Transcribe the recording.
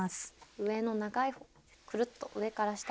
上の長い方くるっと上から下へ。